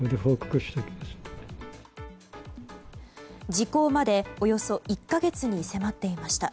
時効まで、およそ１か月に迫っていました。